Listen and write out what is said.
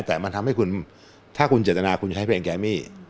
แต่มันทำให้คุณถ้าคุณเจตนาคุณจะใช้เพลงแกมี่